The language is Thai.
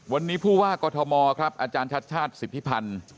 วันนี้ผู้ว่ากฎมอาจารย์ชาติชาติศิพพรรณ